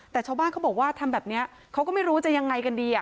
แต่ชาวบ้านเขาบอกว่าทำแบบนี้เขาก็ไม่รู้จะยังไงกันดี